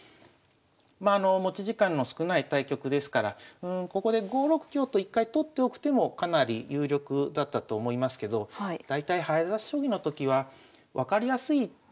まあ持ち時間の少ない対局ですからここで５六香と一回取っておく手もかなり有力だったと思いますけど大体早指し将棋のときは分かりやすいところから考えますね。